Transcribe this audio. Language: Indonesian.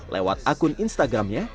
lewat akun instagramnya